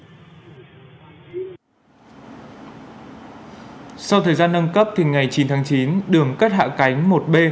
sau thời gian nâng cấp thì ngày chín tháng chín đường cất hạ cánh một b